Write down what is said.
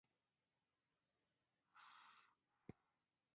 په اردن کې راسره د کوټې ملګری و.